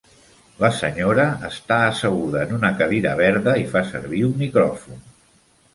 La senyora està asseguda en una cadira verda i fa servir un micròfon.